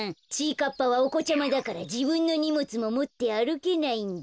かっぱはおこちゃまだからじぶんのにもつももってあるけないんだ。